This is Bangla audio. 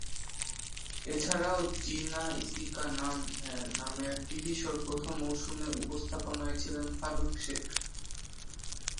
এছাড়াও ‘জিনা ইসি কা নাম হ্যায়’ নামের টিভি শো’র প্রথম মৌসুমে উপস্থাপনায় ছিলেন ফারুক শেখ।